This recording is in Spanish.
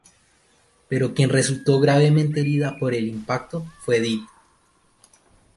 Pero quien resultó gravemente herida por el impacto fue Edith.